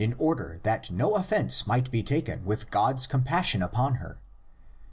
113 order that no offence might be taken with God's compassion upon her (xxi.